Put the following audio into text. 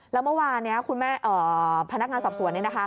แล้วเมื่อวานนี้คุณพนักงานสอบสวน